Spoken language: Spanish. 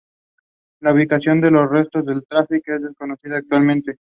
La ubicación de los restos del "Traffic" es desconocida actualmente.